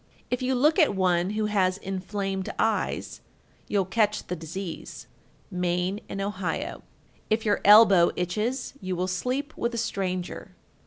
If you look at one who has inflamed eyes, you'll catch the disease. Maine and Ohio. 1352. If your elbow itches, you will sleep with a stranger.